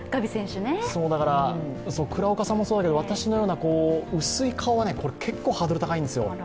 だから、倉岡さんもそうだけど私のような薄い顔は結構ハードルが高いんですよ。